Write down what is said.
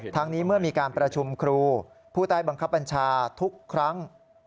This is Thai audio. ทั้งนี้เมื่อมีการประชุมครูผู้ใต้บังคับบัญชาทุกครั้ง